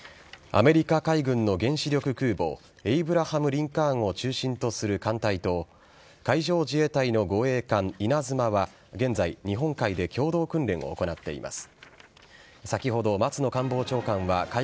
アメリカ海軍の原子力空母「エイブラハム・リンカーン」を中心とする艦隊と海上自衛隊の護衛艦「いなづま」は現在、日本海で共同訓練を行っています。